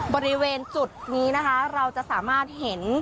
บริเวณจุดนี้นะคะเราจะสามารถเห็น